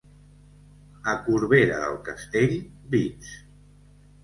A Corbera del Castell, vits.